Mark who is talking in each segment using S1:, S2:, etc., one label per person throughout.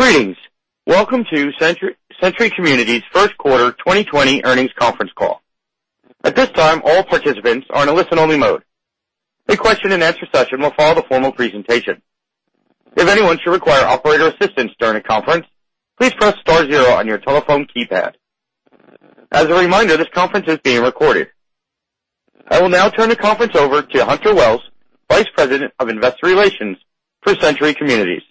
S1: Greetings. Welcome to Century Communities' first quarter 2020 earnings conference call. At this time, all participants are in a listen-only mode. A question and answer session will follow the formal presentation. If anyone should require operator assistance during the conference, please press star zero on your telephone keypad. As a reminder, this conference is being recorded. I will now turn the conference over to Hunter Wells, Vice President of Investor Relations for Century Communities.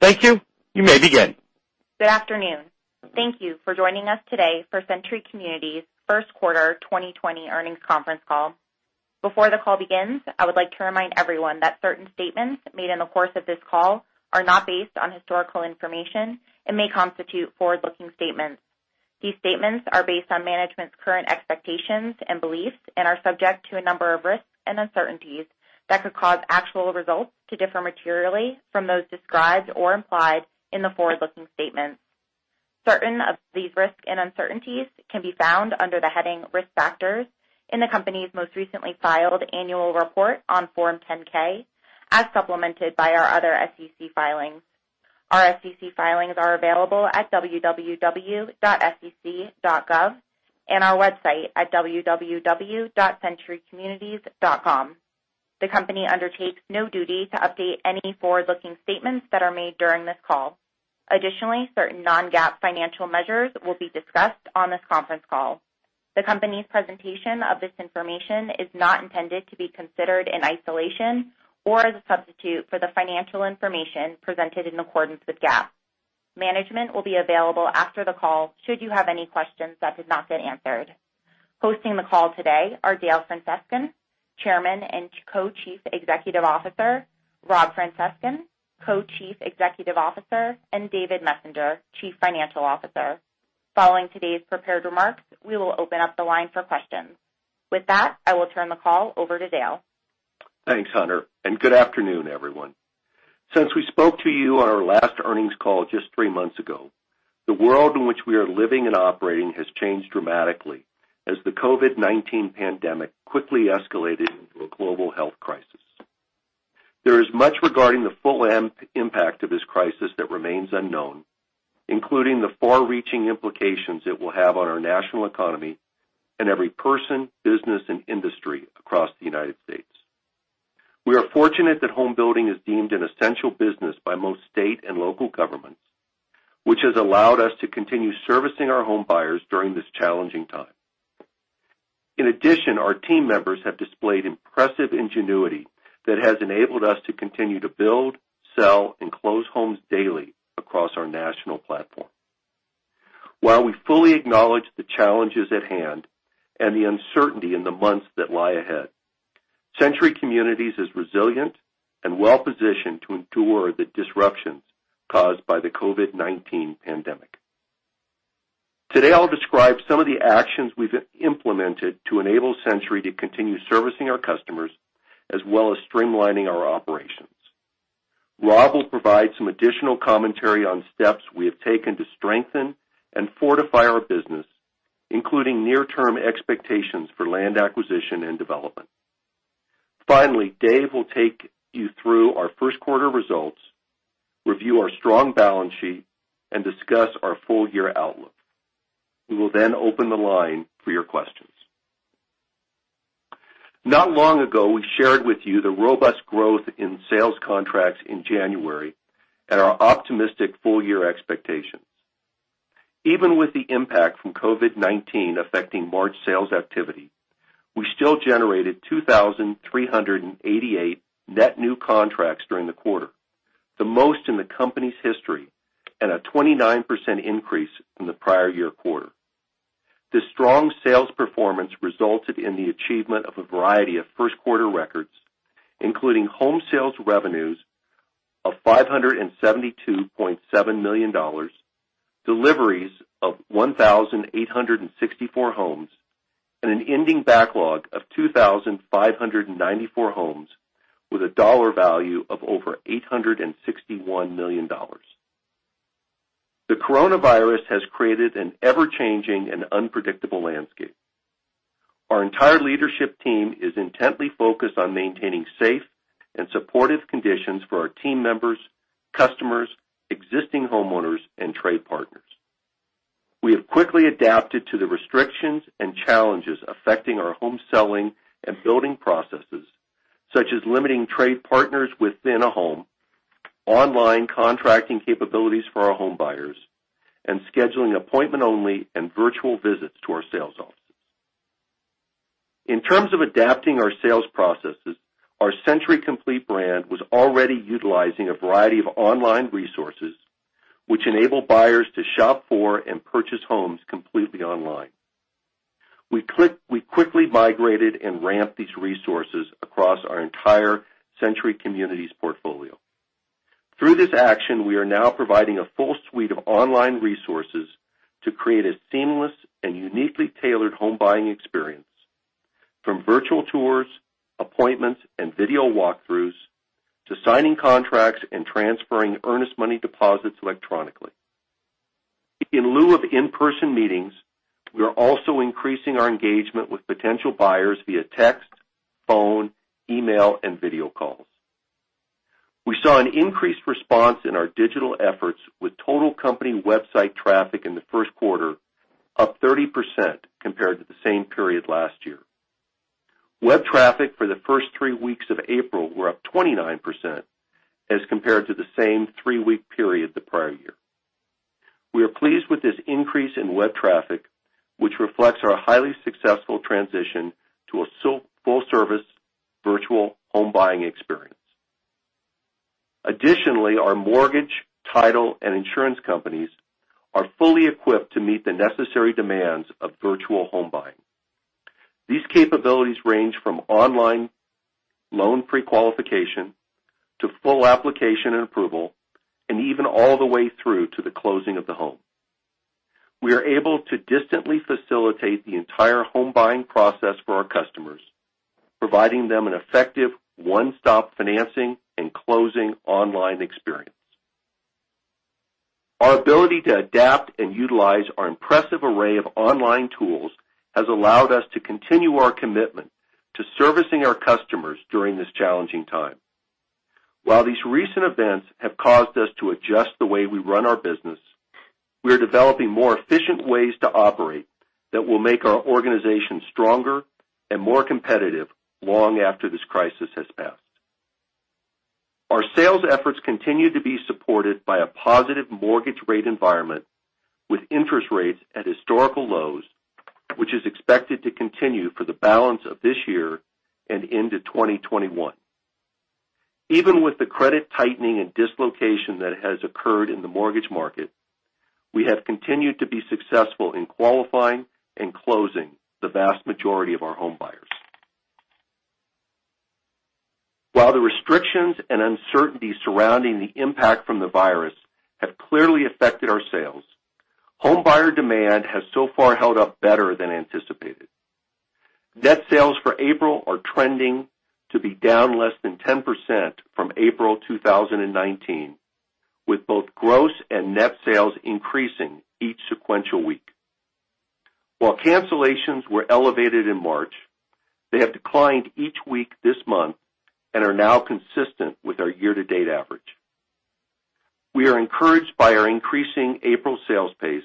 S1: Thank you. You may begin.
S2: Good afternoon. Thank you for joining us today for Century Communities' first quarter 2020 earnings conference call. Before the call begins, I would like to remind everyone that certain statements made in the course of this call are not based on historical information and may constitute forward-looking statements. These statements are based on management's current expectations and beliefs and are subject to a number of risks and uncertainties that could cause actual results to differ materially from those described or implied in the forward-looking statements. Certain of these risks and uncertainties can be found under the heading Risk Factors in the company's most recently filed annual report on Form 10-K, as supplemented by our other SEC filings. Our SEC filings are available at www.sec.gov and our website at www.centurycommunities.com. The company undertakes no duty to update any forward-looking statements that are made during this call. Additionally, certain non-GAAP financial measures will be discussed on this conference call. The company's presentation of this information is not intended to be considered in isolation or as a substitute for the financial information presented in accordance with GAAP. Management will be available after the call should you have any questions that did not get answered. Hosting the call today are Dale Francescon, Chairman and Co-Chief Executive Officer, Rob Francescon, Co-Chief Executive Officer, and David Messenger, Chief Financial Officer. Following today's prepared remarks, we will open up the line for questions. With that, I will turn the call over to Dale.
S3: Thanks, Hunter. Good afternoon, everyone. Since we spoke to you on our last earnings call just three months ago, the world in which we are living and operating has changed dramatically as the COVID-19 pandemic quickly escalated into a global health crisis. There is much regarding the full impact of this crisis that remains unknown, including the far-reaching implications it will have on our national economy and every person, business, and industry across the U.S. We are fortunate that home building is deemed an essential business by most state and local governments, which has allowed us to continue servicing our homebuyers during this challenging time. Our team members have displayed impressive ingenuity that has enabled us to continue to build, sell, and close homes daily across our national platform. While we fully acknowledge the challenges at hand and the uncertainty in the months that lie ahead, Century Communities is resilient and well-positioned to endure the disruptions caused by the COVID-19 pandemic. Today, I'll describe some of the actions we've implemented to enable Century to continue servicing our customers, as well as streamlining our operations. Rob will provide some additional commentary on steps we have taken to strengthen and fortify our business, including near-term expectations for land acquisition and development. Finally, Dave will take you through our first quarter results, review our strong balance sheet, and discuss our full-year outlook. We will then open the line for your questions. Not long ago, we shared with you the robust growth in sales contracts in January and our optimistic full-year expectations. Even with the impact from COVID-19 affecting March sales activity, we still generated 2,388 net new contracts during the quarter, the most in the company's history, and a 29% increase from the prior year quarter. This strong sales performance resulted in the achievement of a variety of first-quarter records, including home sales revenues of $572.7 million, deliveries of 1,864 homes, and an ending backlog of 2,594 homes with a dollar value of over $861 million. The coronavirus has created an ever-changing and unpredictable landscape. Our entire leadership team is intently focused on maintaining safe and supportive conditions for our team members, customers, existing homeowners, and trade partners. We have quickly adapted to the restrictions and challenges affecting our home selling and building processes, such as limiting trade partners within a home, online contracting capabilities for our homebuyers, and scheduling appointment-only and virtual visits to our sales offices. In terms of adapting our sales processes, our Century Complete brand was already utilizing a variety of online resources, which enable buyers to shop for and purchase homes completely online. We quickly migrated and ramped these resources across our entire Century Communities portfolio. Through this action, we are now providing a full suite of online resources to create a seamless and uniquely tailored home buying experience, from virtual tours, appointments, and video walkthroughs, to signing contracts and transferring earnest money deposits electronically. In lieu of in-person meetings, we are also increasing our engagement with potential buyers via text, phone, email, and video calls. We saw an increased response in our digital efforts with total company website traffic in the first quarter up 30% compared to the same period last year. Web traffic for the first three weeks of April were up 29% as compared to the same three-week period the prior year. We are pleased with this increase in web traffic, which reflects our highly successful transition to a full-service virtual home buying experience. Additionally, our mortgage, title, and insurance companies are fully equipped to meet the necessary demands of virtual home buying. These capabilities range from online loan pre-qualification to full application and approval, and even all the way through to the closing of the home. We are able to distantly facilitate the entire home buying process for our customers, providing them an effective one-stop financing and closing online experience. Our ability to adapt and utilize our impressive array of online tools has allowed us to continue our commitment to servicing our customers during this challenging time. While these recent events have caused us to adjust the way we run our business, we are developing more efficient ways to operate that will make our organization stronger and more competitive long after this crisis has passed. Our sales efforts continue to be supported by a positive mortgage rate environment with interest rates at historical lows, which is expected to continue for the balance of this year and into 2021. Even with the credit tightening and dislocation that has occurred in the mortgage market, we have continued to be successful in qualifying and closing the vast majority of our home buyers. While the restrictions and uncertainty surrounding the impact from the virus have clearly affected our sales, home buyer demand has so far held up better than anticipated. Net sales for April are trending to be down less than 10% from April 2019, with both gross and net sales increasing each sequential week. While cancellations were elevated in March, they have declined each week this month and are now consistent with our year-to-date average. We are encouraged by our increasing April sales pace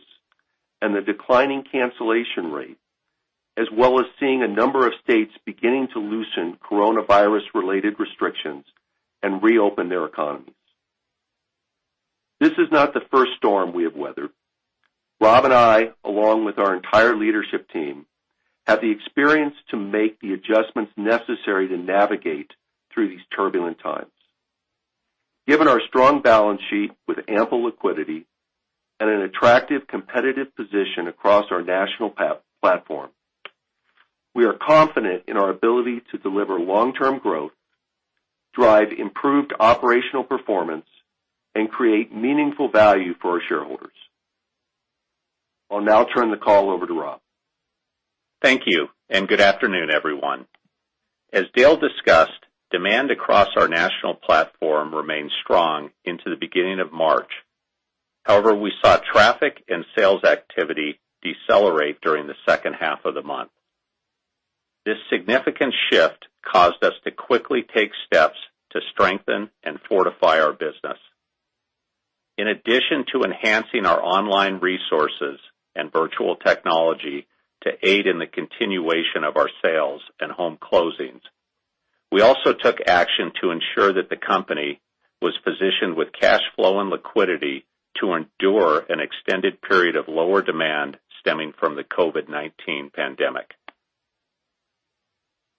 S3: and the declining cancellation rate, as well as seeing a number of states beginning to loosen coronavirus-related restrictions and reopen their economies. This is not the first storm we have weathered. Rob and I, along with our entire leadership team, have the experience to make the adjustments necessary to navigate through these turbulent times. Given our strong balance sheet with ample liquidity and an attractive competitive position across our national platform, we are confident in our ability to deliver long-term growth, drive improved operational performance, and create meaningful value for our shareholders. I'll now turn the call over to Rob.
S4: Thank you, and good afternoon, everyone. As Dale discussed, demand across our national platform remained strong into the beginning of March. However, we saw traffic and sales activity decelerate during the second half of the month. This significant shift caused us to quickly take steps to strengthen and fortify our business. In addition to enhancing our online resources and virtual technology to aid in the continuation of our sales and home closings, we also took action to ensure that the company was positioned with cash flow and liquidity to endure an extended period of lower demand stemming from the COVID-19 pandemic.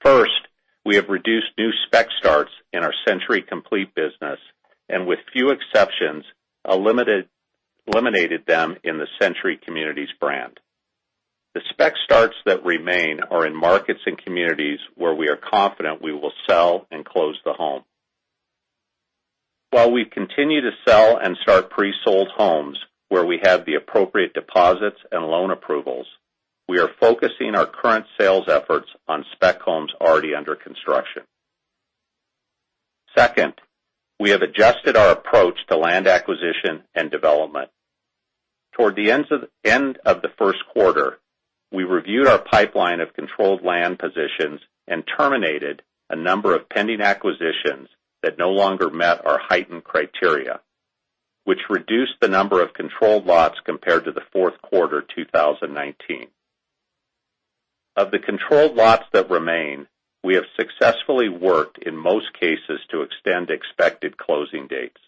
S4: First, we have reduced new spec starts in our Century Complete business, and with few exceptions, eliminated them in the Century Communities brand. The spec starts that remain are in markets and communities where we are confident we will sell and close the home. While we continue to sell and start pre-sold homes where we have the appropriate deposits and loan approvals, we are focusing our current sales efforts on spec homes already under construction. Second, we have adjusted our approach to land acquisition and development. Toward the end of the first quarter, we reviewed our pipeline of controlled land positions and terminated a number of pending acquisitions that no longer met our heightened criteria, which reduced the number of controlled lots compared to the fourth quarter 2019. Of the controlled lots that remain, we have successfully worked in most cases to extend expected closing dates.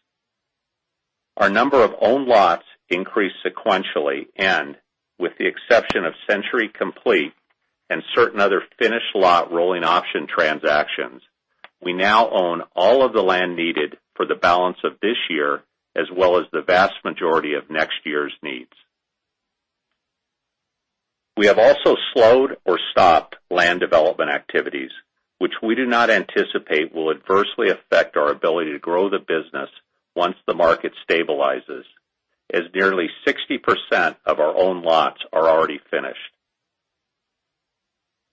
S4: Our number of owned lots increased sequentially, and with the exception of Century Complete and certain other finished lot rolling option transactions, we now own all of the land needed for the balance of this year, as well as the vast majority of next year's needs. We have also slowed or stopped land development activities, which we do not anticipate will adversely affect our ability to grow the business once the market stabilizes, as nearly 60% of our own lots are already finished.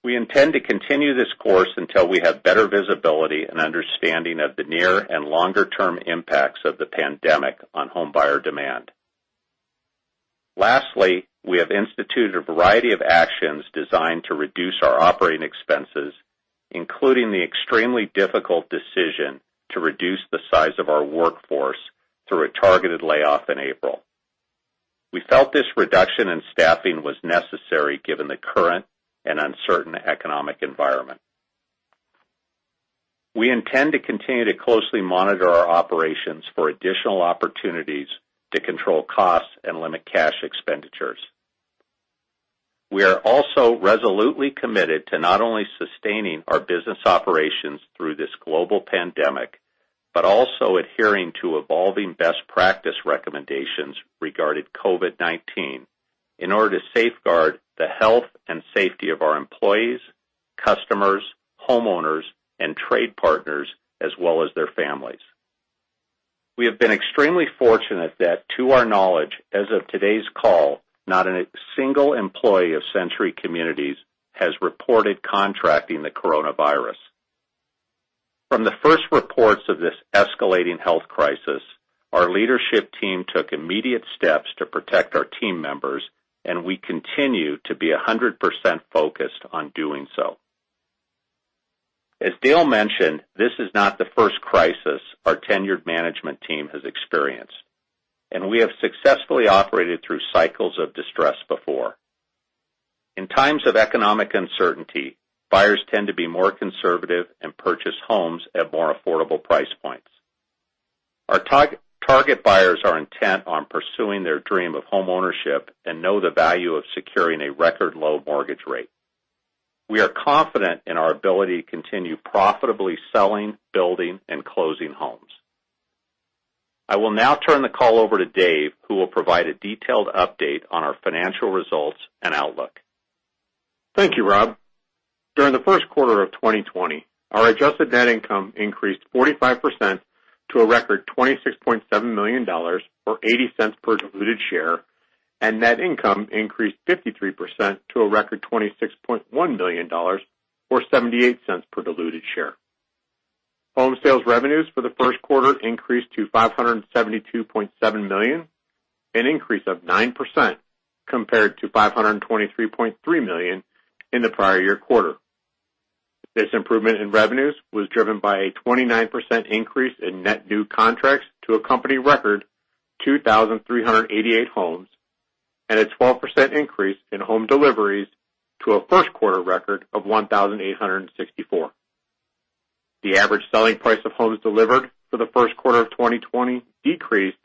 S4: We intend to continue this course until we have better visibility and understanding of the near and longer-term impacts of the pandemic on home buyer demand. Lastly, we have instituted a variety of actions designed to reduce our operating expenses, including the extremely difficult decision to reduce the size of our workforce through a targeted layoff in April. We felt this reduction in staffing was necessary given the current and uncertain economic environment. We intend to continue to closely monitor our operations for additional opportunities to control costs and limit cash expenditures. We are also resolutely committed to not only sustaining our business operations through this global pandemic, but also adhering to evolving best practice recommendations regarding COVID-19 in order to safeguard the health and safety of our employees, customers, homeowners, and trade partners, as well as their families. We have been extremely fortunate that to our knowledge, as of today's call, not a single employee of Century Communities has reported contracting the coronavirus. From the first reports of this escalating health crisis, our leadership team took immediate steps to protect our team members, and we continue to be 100% focused on doing so. As Dale mentioned, this is not the first crisis our tenured management team has experienced, and we have successfully operated through cycles of distress before. In times of economic uncertainty, buyers tend to be more conservative and purchase homes at more affordable price points. Our target buyers are intent on pursuing their dream of homeownership and know the value of securing a record low mortgage rate. We are confident in our ability to continue profitably selling, building, and closing homes. I will now turn the call over to Dave, who will provide a detailed update on our financial results and outlook.
S5: Thank you, Rob. During the first quarter of 2020, our adjusted net income increased 45% to a record $26.7 million, or $0.80 per diluted share, and net income increased 53% to a record $26.1 million or $0.78 per diluted share. Home sales revenues for the first quarter increased to $572.7 million, an increase of 9% compared to $523.3 million in the prior year quarter. This improvement in revenues was driven by a 29% increase in net new contracts to a company record 2,388 homes, and a 12% increase in home deliveries to a first quarter record of 1,864. The average selling price of homes delivered for the first quarter of 2020 decreased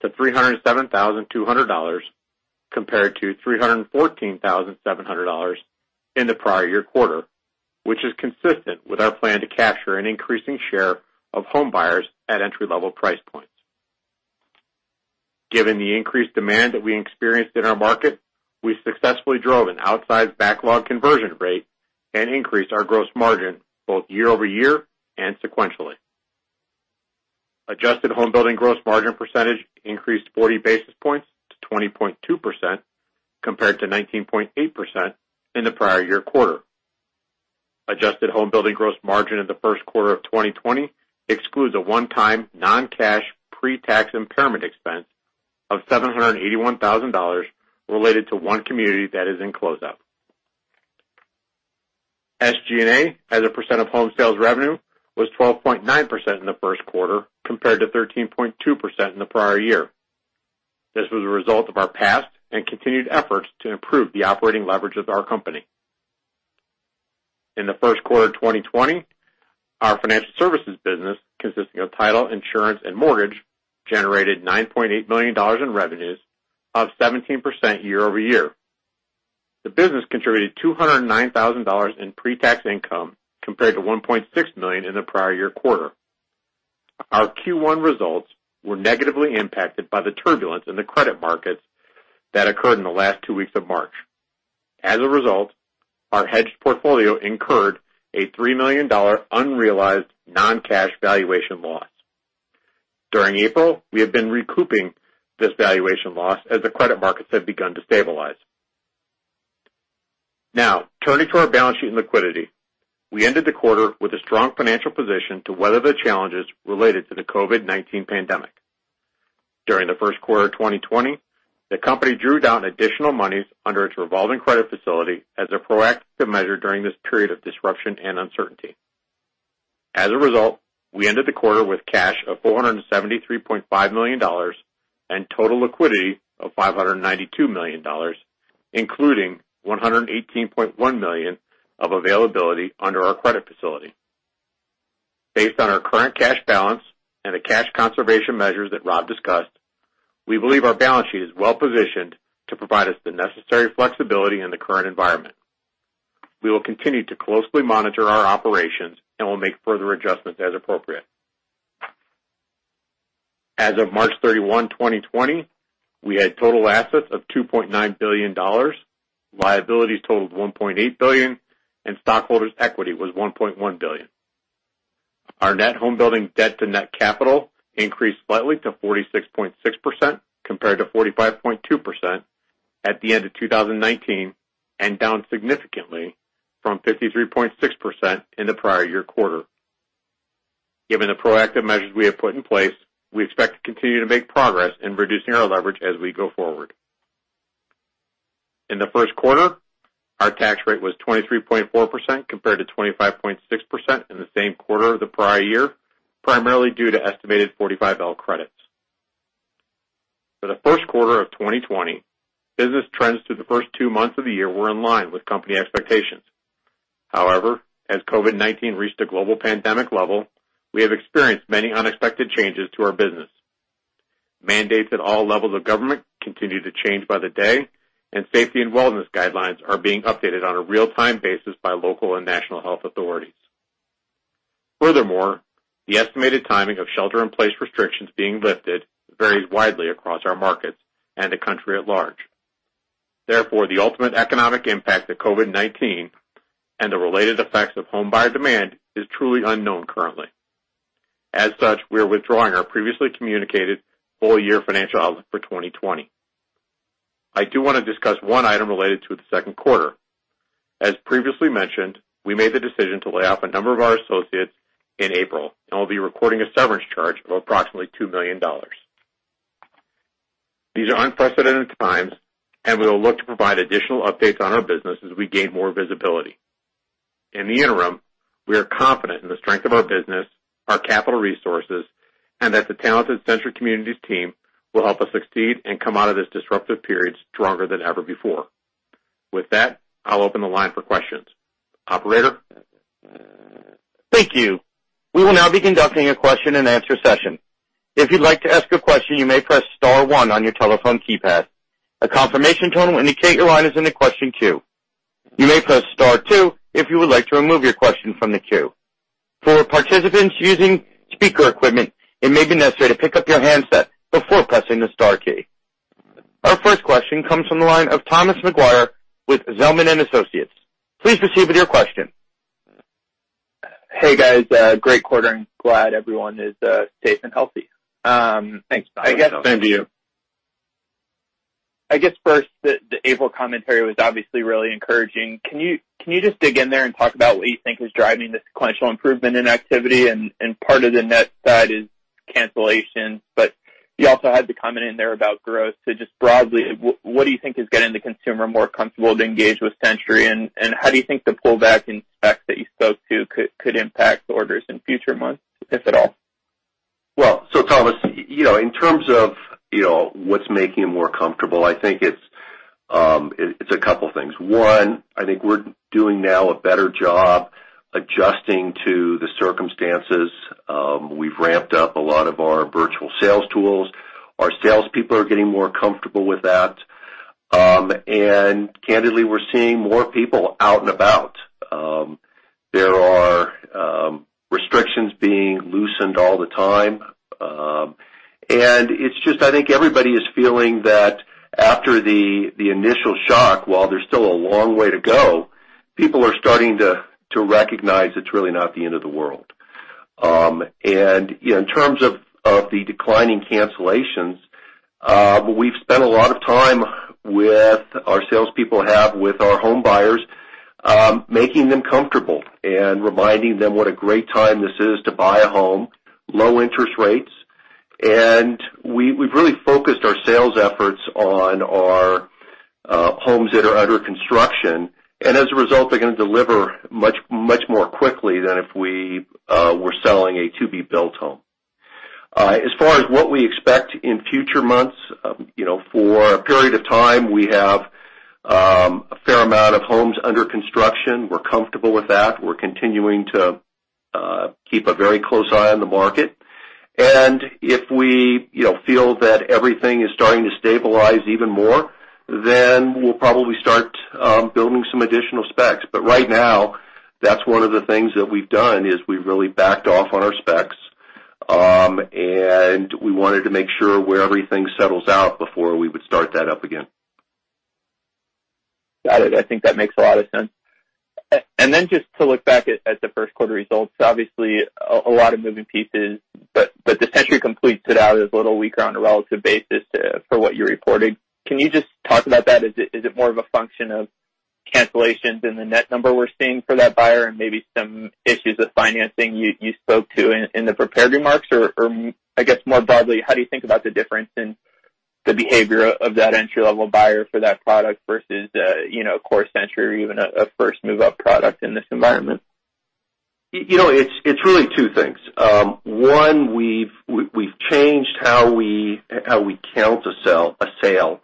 S5: to $307,200 compared to $314,700 in the prior year quarter, which is consistent with our plan to capture an increasing share of home buyers at entry-level price points. Given the increased demand that we experienced in our market, we successfully drove an outsized backlog conversion rate and increased our gross margin both year-over-year and sequentially. Adjusted home building gross margin percentage increased 40 basis points to 20.2%, compared to 19.8% in the prior year quarter. Adjusted home building gross margin in the first quarter of 2020 excludes a one-time non-cash pre-tax impairment expense of $781,000 related to one community that is in close out. SG&A as a percent of home sales revenue was 12.9% in the first quarter, compared to 13.2% in the prior year. This was a result of our past and continued efforts to improve the operating leverage of our company. In the first quarter of 2020, our financial services business, consisting of title, insurance, and mortgage, generated $9.8 million in revenues, up 17% year-over-year. The business contributed $209,000 in pre-tax income, compared to $1.6 million in the prior year quarter. Our Q1 results were negatively impacted by the turbulence in the credit markets that occurred in the last two weeks of March. As a result, our hedged portfolio incurred a $3 million unrealized non-cash valuation loss. During April, we have been recouping this valuation loss as the credit markets have begun to stabilize. Now, turning to our balance sheet and liquidity. We ended the quarter with a strong financial position to weather the challenges related to the COVID-19 pandemic. During the first quarter of 2020, the company drew down additional monies under its revolving credit facility as a proactive measure during this period of disruption and uncertainty. As a result, we ended the quarter with cash of $473.5 million and total liquidity of $592 million, including $118.1 million of availability under our credit facility. Based on our current cash balance and the cash conservation measures that Rob discussed, we believe our balance sheet is well positioned to provide us the necessary flexibility in the current environment. We will continue to closely monitor our operations and will make further adjustments as appropriate. As of March 31, 2020, we had total assets of $2.9 billion. Liabilities totaled $1.8 billion, and stockholders' equity was $1.1 billion. Our net home building debt to net capital increased slightly to 46.6%, compared to 45.2% at the end of 2019, and down significantly from 53.6% in the prior year quarter. Given the proactive measures we have put in place, we expect to continue to make progress in reducing our leverage as we go forward. In the first quarter, our tax rate was 23.4%, compared to 25.6% in the same quarter of the prior year, primarily due to estimated 45L credits. For the first quarter of 2020, business trends through the first two months of the year were in line with company expectations. However, as COVID-19 reached a global pandemic level, we have experienced many unexpected changes to our business. Mandates at all levels of government continue to change by the day, and safety and wellness guidelines are being updated on a real-time basis by local and national health authorities. Furthermore, the estimated timing of shelter-in-place restrictions being lifted varies widely across our markets and the country at large. Therefore, the ultimate economic impact of COVID-19 and the related effects of home buyer demand is truly unknown currently. As such, we are withdrawing our previously communicated full-year financial outlook for 2020. I do want to discuss one item related to the second quarter. As previously mentioned, we made the decision to lay off a number of our associates in April and will be recording a severance charge of approximately $2 million. These are unprecedented times, and we will look to provide additional updates on our business as we gain more visibility. In the interim, we are confident in the strength of our business, our capital resources, and that the talented Century Communities team will help us succeed and come out of this disruptive period stronger than ever before. With that, I'll open the line for questions. Operator?
S1: Thank you. We will now be conducting a question and answer session. If you'd like to ask a question, you may press star one on your telephone keypad. A confirmation tone will indicate your line is in the question queue. You may press star two if you would like to remove your question from the queue. For participants using speaker equipment, it may be necessary to pick up your handset before pressing the star key. Our first question comes from the line of Thomas Maguire with Zelman & Associates. Please proceed with your question.
S6: Hey, guys. Great quarter, and glad everyone is safe and healthy.
S5: Thanks, Thomas.
S3: Same to you.
S6: I guess first, the April commentary was obviously really encouraging. Can you just dig in there and talk about what you think is driving the sequential improvement in activity? Part of the net side is cancellation, but you also had the comment in there about growth. Just broadly, what do you think is getting the consumer more comfortable to engage with Century? How do you think the pullback in specs that you spoke to could impact orders in future months, if at all?
S3: Thomas, in terms of what's making them more comfortable, I think it's a couple things. One, I think we're doing now a better job adjusting to the circumstances. We've ramped up a lot of our virtual sales tools. Our salespeople are getting more comfortable with that. Candidly, we're seeing more people out and about. There are restrictions being loosened all the time. It's just I think everybody is feeling that after the initial shock, while there's still a long way to go, people are starting to recognize it's really not the end of the world. In terms of the declining cancellations, we've spent a lot of time with, our salespeople have with our home buyers, making them comfortable and reminding them what a great time this is to buy a home, low interest rates. We've really focused our sales efforts on our homes that are under construction. As a result, they're going to deliver much more quickly than if we were selling a to-be built home. As far as what we expect in future months, for a period of time, we have a fair amount of homes under construction. We're comfortable with that. We're continuing to keep a very close eye on the market. If we feel that everything is starting to stabilize even more, then we'll probably start building some additional specs. Right now, that's one of the things that we've done, is we've really backed off on our specs, and we wanted to make sure where everything settles out before we would start that up again.
S6: Got it. I think that makes a lot of sense. Then just to look back at the first quarter results, obviously, a lot of moving pieces, but the Century Complete it out as a little weaker on a relative basis for what you're reporting. Can you just talk about that? Is it more of a function of cancellations in the net number we're seeing for that buyer and maybe some issues with financing you spoke to in the prepared remarks? I guess more broadly, how do you think about the difference in the behavior of that entry-level buyer for that product versus a Core Century or even a first move-up product in this environment?
S5: It's really two things. One, we've changed how we count a sale.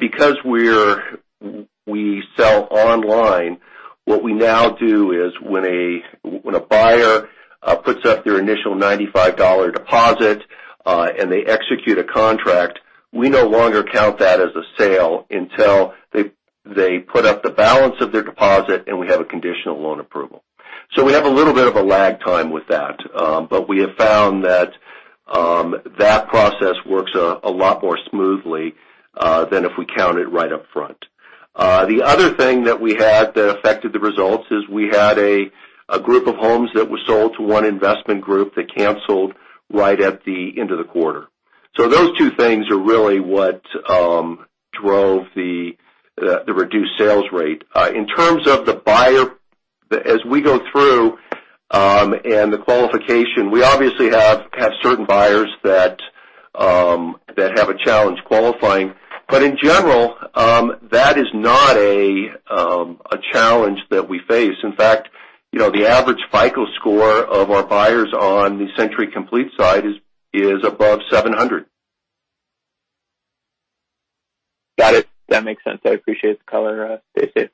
S5: Because we sell online, what we now do is when a buyer puts up their initial $95 deposit, and they execute a contract, we no longer count that as a sale until they put up the balance of their deposit, and we have a conditional loan approval. We have a little bit of a lag time with that, but we have found that That process works a lot more smoothly than if we count it right up front. The other thing that we had that affected the results is we had a group of homes that were sold to one investment group that canceled right at the end of the quarter. Those two things are really what drove the reduced sales rate. In terms of the buyer, as we go through and the qualification, we obviously have had certain buyers that have a challenge qualifying. In general, that is not a challenge that we face. In fact, the average FICO score of our buyers on the Century Complete side is above 700.
S6: Got it. That makes sense. I appreciate the color, Dave.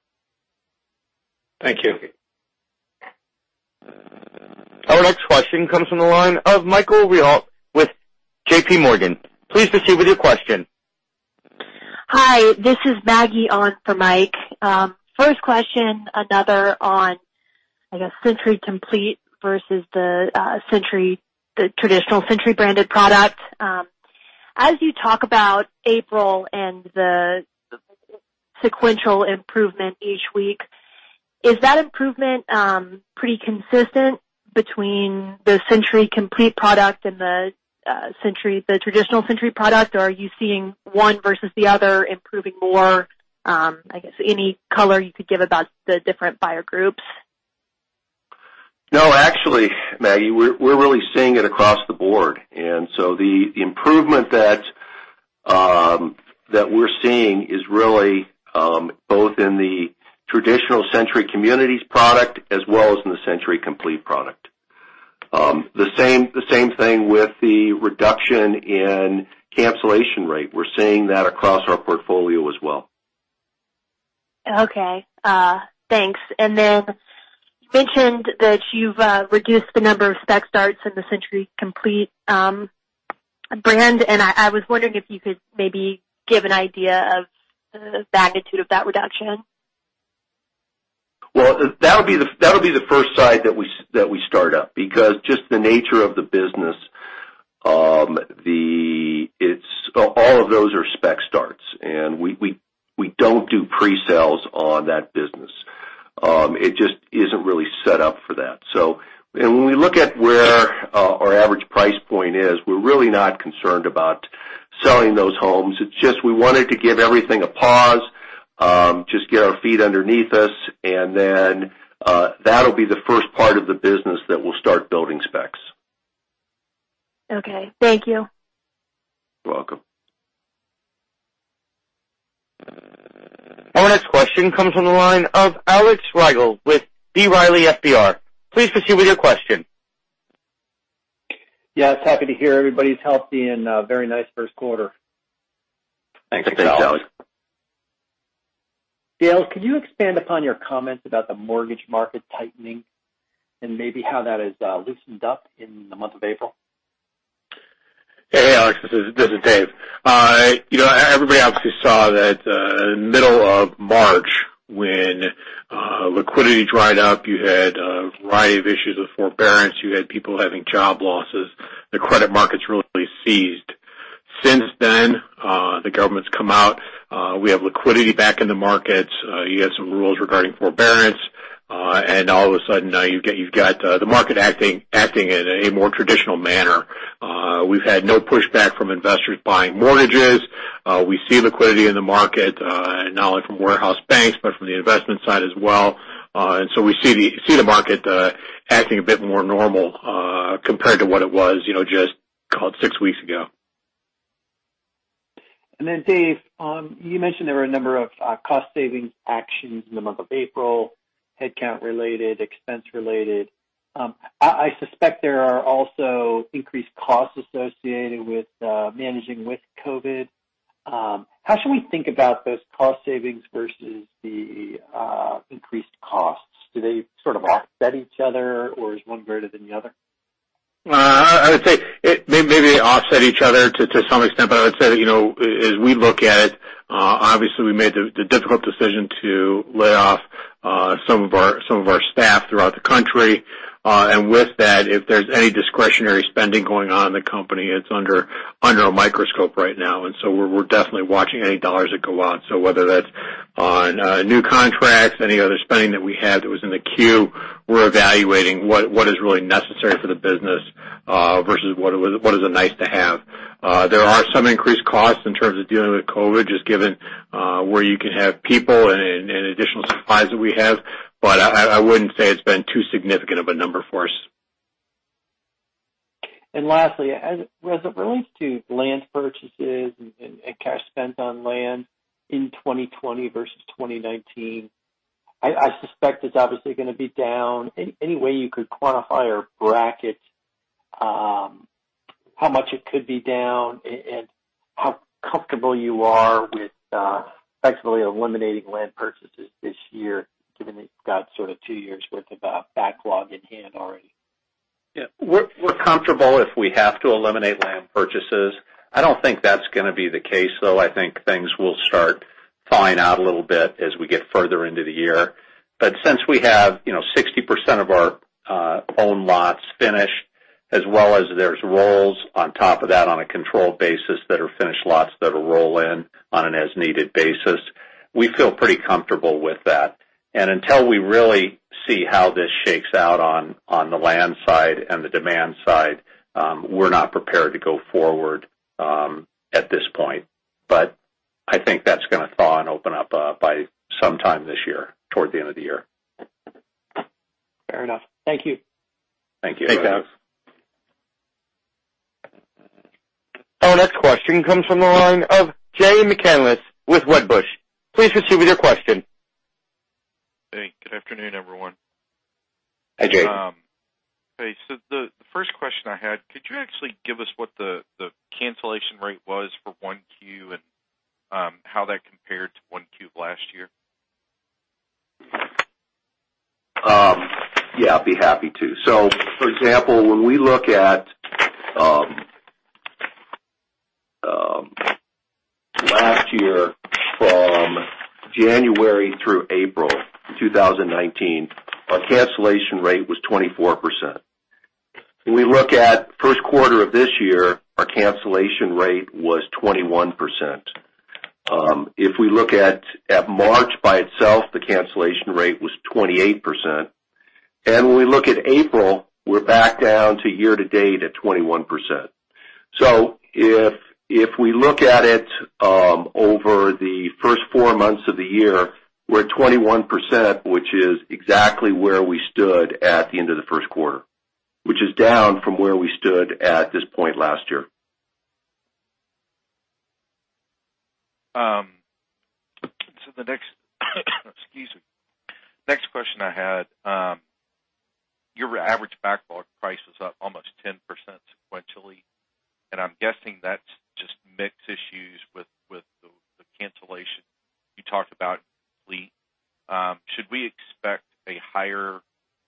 S3: Thank you.
S1: Our next question comes from the line of Michael Rehaut with JPMorgan. Please proceed with your question.
S7: Hi, this is Maggie on for Mike. First question, another on, I guess, Century Complete versus the traditional Century branded product. As you talk about April and the sequential improvement each week, is that improvement pretty consistent between the Century Complete product and the traditional Century product, or are you seeing one versus the other improving more? I guess any color you could give about the different buyer groups.
S3: No, actually, Maggie, we're really seeing it across the board. The improvement that we're seeing is really both in the traditional Century Communities product as well as in the Century Complete product. The same thing with the reduction in cancellation rate. We're seeing that across our portfolio as well.
S7: Okay. Thanks. You mentioned that you've reduced the number of spec starts in the Century Complete brand, and I was wondering if you could maybe give an idea of the magnitude of that reduction?
S3: That'll be the first side that we start up because just the nature of the business, all of those are spec starts, and we don't do pre-sales on that business. It just isn't really set up for that. When we look at where our average price point is, we're really not concerned about selling those homes. It's just we wanted to give everything a pause, just get our feet underneath us, and then that'll be the first part of the business that we'll start building specs.
S7: Okay. Thank you.
S3: You're welcome.
S1: Our next question comes from the line of Alex Rygiel with B. Riley FBR. Please proceed with your question.
S8: Yes. Happy to hear everybody's healthy and a very nice first quarter.
S3: Thanks, Alex.
S8: Dale, could you expand upon your comments about the mortgage market tightening and maybe how that has loosened up in the month of April?
S5: Hey, Alex, this is Dave. Everybody obviously saw that in the middle of March when liquidity dried up, you had a variety of issues with forbearance. You had people having job losses. The credit markets really seized. Since then, the government's come out. We have liquidity back in the markets. You have some rules regarding forbearance. All of a sudden, now you've got the market acting in a more traditional manner. We've had no pushback from investors buying mortgages. We see liquidity in the market, not only from warehouse banks, but from the investment side as well. So we see the market acting a bit more normal compared to what it was just, call it, six weeks ago.
S8: Dave, you mentioned there were a number of cost-saving actions in the month of April, headcount related, expense related. I suspect there are also increased costs associated with managing with COVID-19. How should we think about those cost savings versus the increased costs? Do they sort of offset each other, or is one greater than the other?
S5: I would say maybe they offset each other to some extent, but I would say that, as we look at it, obviously we made the difficult decision to lay off some of our staff throughout the country. With that, if there's any discretionary spending going on in the company, it's under a microscope right now. We're definitely watching any dollars that go out. Whether that's on new contracts, any other spending that we had that was in the queue, we're evaluating what is really necessary for the business versus what is a nice to have. There are some increased costs in terms of dealing with COVID-19, just given where you can have people and additional supplies that we have, but I wouldn't say it's been too significant of a number for us.
S8: Lastly, as it relates to land purchases and cash spent on land in 2020 versus 2019, I suspect it's obviously going to be down. Any way you could quantify or bracket how much it could be down and how comfortable you are with effectively eliminating land purchases this year, given that you've got sort of two years' worth of backlog in hand already?
S4: Yeah. We're comfortable if we have to eliminate land purchases. I don't think that's going to be the case, though. I think things will start thawing out a little bit as we get further into the year. Since we have 60% of our own lots finished, as well as there's rolls on top of that on a controlled basis that are finished lots that'll roll in on an as-needed basis, we feel pretty comfortable with that. Until we really see how this shakes out on the land side and the demand side, we're not prepared to go forward at this point. I think that's going to thaw and open up by sometime this year, toward the end of the year.
S8: Fair enough. Thank you.
S4: Thank you. Thanks.
S1: Our next question comes from the line of Jay McCanless with Wedbush. Please proceed with your question.
S9: Hey, good afternoon, everyone.
S3: Hi, Jay.
S9: Okay, the first question I had, could you actually give us what the cancellation rate was for 1Q and how that compared to 1Q last year?
S3: Yeah, I'd be happy to. For example, when we look at last year from January through April 2019, our cancellation rate was 24%. When we look at first quarter of this year, our cancellation rate was 21%. If we look at March by itself, the cancellation rate was 28%, and when we look at April, we're back down to year-to-date at 21%. If we look at it over the first four months of the year, we're at 21%, which is exactly where we stood at the end of the first quarter, which is down from where we stood at this point last year.
S9: The next, excuse me. Next question I had, your average backlog price is up almost 10% sequentially. I'm guessing that's just mix issues with the cancellation you talked about Complete. Should we expect a higher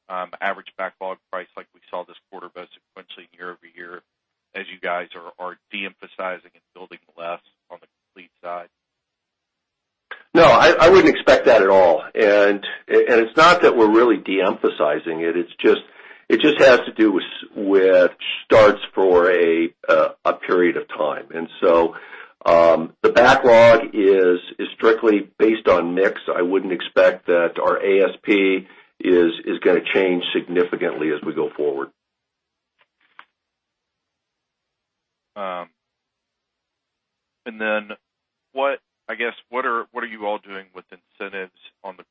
S9: average backlog price like we saw this quarter, sequentially year-over-year as you guys are de-emphasizing and building less on the Complete side?
S3: No, I wouldn't expect that at all. It's not that we're really de-emphasizing it. It just has to do with starts for a period of time. The backlog is strictly based on mix. I wouldn't expect that our ASP is going to change significantly as we go forward.
S9: I guess, what are you all doing with incentives on the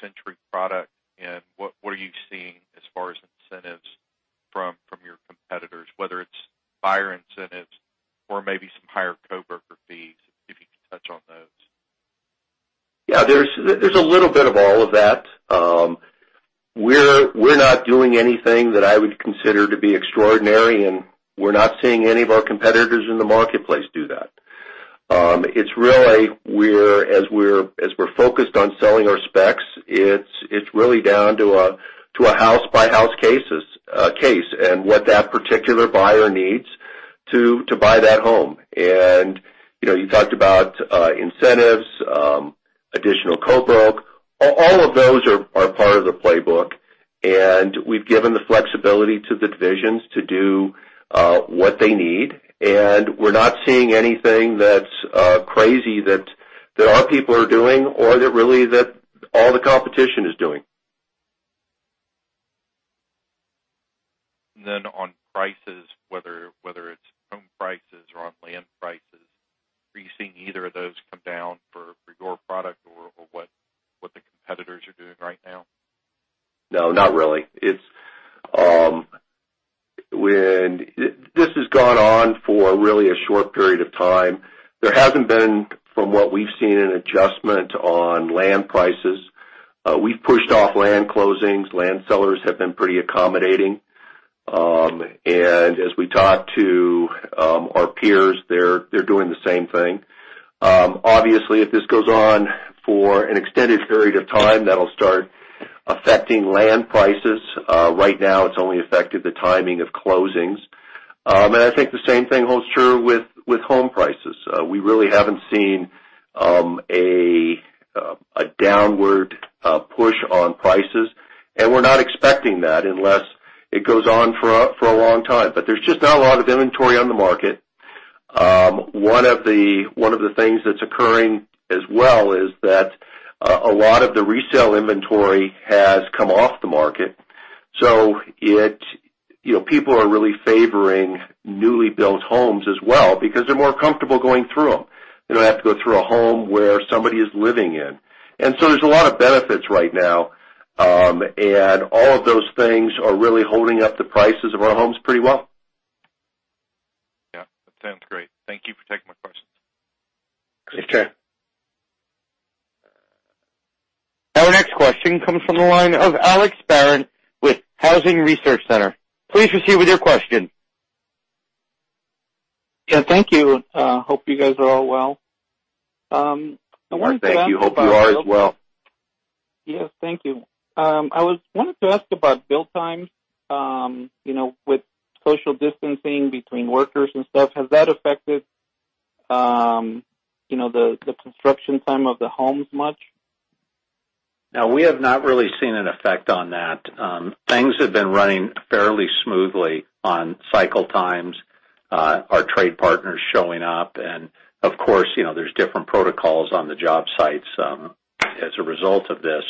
S9: Century Communities product, and what are you seeing as far as incentives from your competitors, whether it's buyer incentives or maybe some higher co-broker fees, if you could touch on those?
S3: Yeah, there's a little bit of all of that. We're not doing anything that I would consider to be extraordinary, and we're not seeing any of our competitors in the marketplace do that. As we're focused on selling our specs, it's really down to a house by house case, and what that particular buyer needs to buy that home. You talked about incentives, additional co-broke. All of those are part of the playbook, and we've given the flexibility to the divisions to do what they need, and we're not seeing anything that's crazy that our people are doing or that really that all the competition is doing.
S9: On prices, whether it's home prices or on land prices, are you seeing either of those come down for your product or what the competitors are doing right now?
S3: No, not really. This has gone on for really a short period of time. There hasn't been, from what we've seen, an adjustment on land prices. We've pushed off land closings. Land sellers have been pretty accommodating. As we talk to our peers, they're doing the same thing. Obviously, if this goes on for an extended period of time, that'll start affecting land prices. Right now, it's only affected the timing of closings. I think the same thing holds true with home prices. We really haven't seen a downward push on prices, and we're not expecting that unless it goes on for a long time. There's just not a lot of inventory on the market. One of the things that's occurring as well is that a lot of the resale inventory has come off the market. People are really favoring newly built homes as well because they're more comfortable going through them. They don't have to go through a home where somebody is living in. There's a lot of benefits right now, and all of those things are really holding up the prices of our homes pretty well.
S9: Yeah. That sounds great. Thank you for taking my questions.
S3: Okay.
S1: Our next question comes from the line of Alex Barron with Housing Research Center. Please proceed with your question.
S10: Yeah, thank you. Hope you guys are all well.
S3: Yeah, thank you. Hope you are as well.
S10: Yes. Thank you. I wanted to ask about build times. With social distancing between workers and stuff, has that affected the construction time of the homes much?
S3: We have not really seen an effect on that. Things have been running fairly smoothly on cycle times, our trade partners showing up, and of course, there's different protocols on the job sites as a result of this.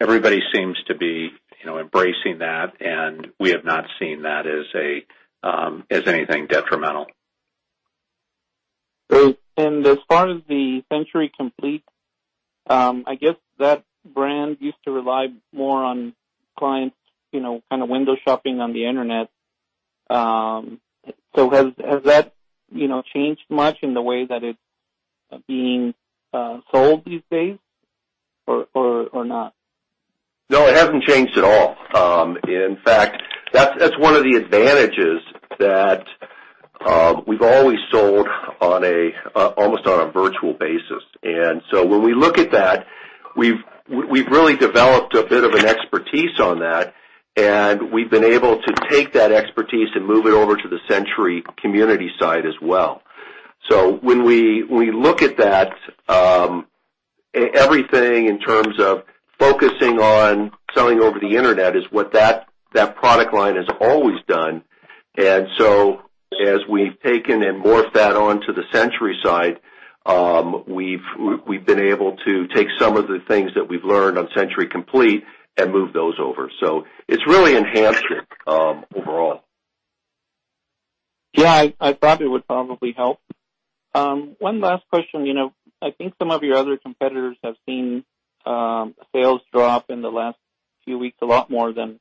S3: Everybody seems to be embracing that, and we have not seen that as anything detrimental.
S10: As far as the Century Complete, I guess that brand used to rely more on clients kind of window shopping on the internet. Has that changed much in the way that it's being sold these days or not?
S3: No, it hasn't changed at all. In fact, that's one of the advantages that we've always sold almost on a virtual basis. When we look at that, we've really developed a bit of an expertise on that, and we've been able to take that expertise and move it over to the Century Communities side as well. When we look at that, everything in terms of focusing on selling over the internet is what that product line has always done. As we've taken and morphed that onto the Century side, we've been able to take some of the things that we've learned on Century Complete and move those over. It's really enhanced it overall.
S10: Yeah, I thought it would probably help. One last question. I think some of your other competitors have seen sales drop in the last few weeks, a lot more than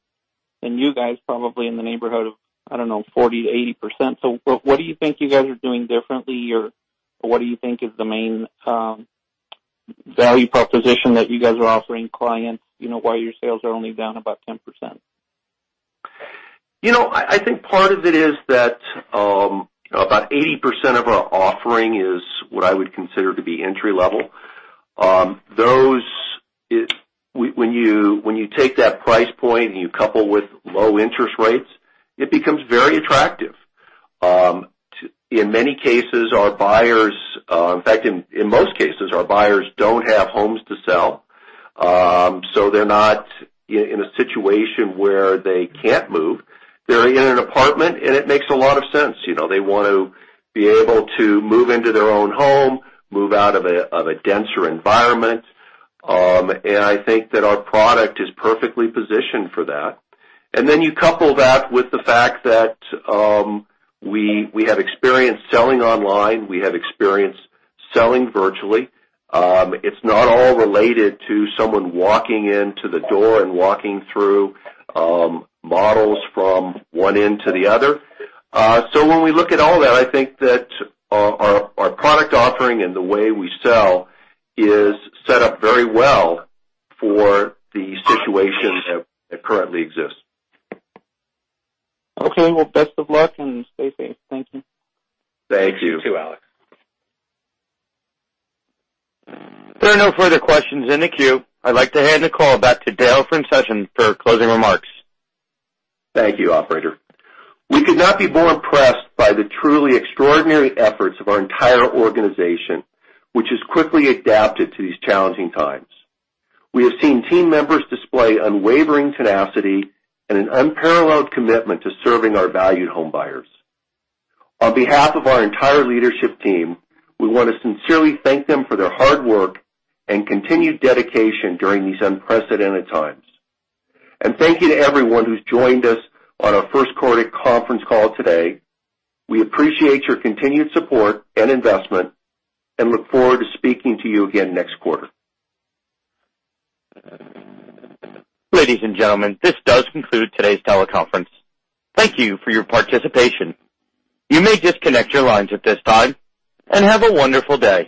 S10: you guys, probably in the neighborhood of, I don't know, 40%-80%. What do you think you guys are doing differently, or what do you think is the main value proposition that you guys are offering clients, why your sales are only down about 10%?
S3: I think part of it is that about 80% of our offering is what I would consider to be entry-level. When you take that price point and you couple with low interest rates, it becomes very attractive. In many cases, our buyers, in fact, in most cases, our buyers don't have homes to sell, so they're not in a situation where they can't move. They're in an apartment, and it makes a lot of sense. They want to be able to move into their own home, move out of a denser environment, and I think that our product is perfectly positioned for that. You couple that with the fact that we have experience selling online, we have experience selling virtually. It's not all related to someone walking into the door and walking through models from one end to the other. When we look at all that, I think that our product offering and the way we sell is set up very well for the situation that currently exists.
S10: Okay. Well, best of luck, and stay safe. Thank you.
S3: Thank you.
S4: You too, Alex.
S1: There are no further questions in the queue. I'd like to hand the call back to Dale Francescon for closing remarks.
S3: Thank you, operator. We could not be more impressed by the truly extraordinary efforts of our entire organization, which has quickly adapted to these challenging times. We have seen team members display unwavering tenacity and an unparalleled commitment to serving our valued homebuyers. On behalf of our entire leadership team, we want to sincerely thank them for their hard work and continued dedication during these unprecedented times. Thank you to everyone who's joined us on our first quarter conference call today. We appreciate your continued support and investment and look forward to speaking to you again next quarter.
S1: Ladies and gentlemen, this does conclude today's teleconference. Thank you for your participation. You may disconnect your lines at this time, and have a wonderful day.